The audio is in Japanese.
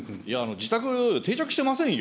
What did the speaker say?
自宅療養、定着してませんよ。